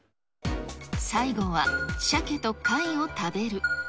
最後は、シャケと貝を食べる。